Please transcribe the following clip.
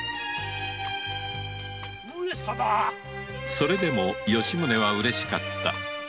それでも吉宗はうれしかった。